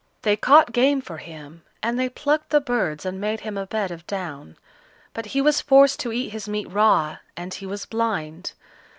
They caught game for him, and they plucked the birds and made him a bed of down; but he was forced to eat his meat raw and he was blind.